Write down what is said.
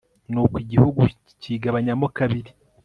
nuko igihugu kigabanyamo kabiri